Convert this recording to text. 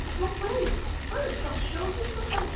"But wait! First I'll show you the letter!"